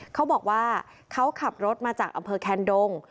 เขาบอกว่าเขาขับรถมาจากอำเภอแคนดง